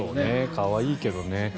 可愛いけどね。